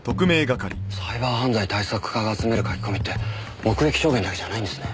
サイバー犯罪対策課が集める書き込みって目撃証言だけじゃないんですね。